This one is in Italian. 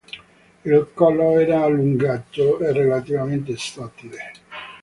Il collo era allungato e relativamente sottile.